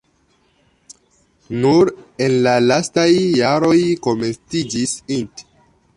Nur en la lastaj jaroj komenciĝis int.